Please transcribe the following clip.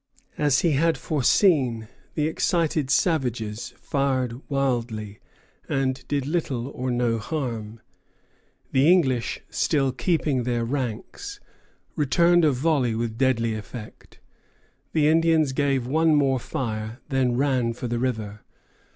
As he had foreseen, the excited savages fired wildly, and did little or no harm. The English, still keeping their ranks, returned a volley with deadly effect. The Indians gave one more fire, and then ran for the river.